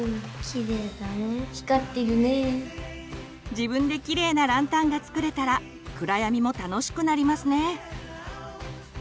自分でキレイなランタンが作れたら暗闇も楽しくなりますね。